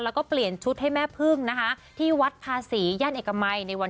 แล้วก็เปลี่ยนชุดให้แม่พึ่งนะคะที่วัดภาษีย่านเอกมัยในวัน